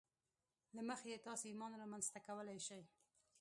له مخې یې تاسې ایمان رامنځته کولای شئ